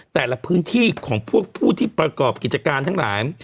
แต่ละพื้นที่ของพวกผู้ที่ประกอบกิจการทั้งหลาย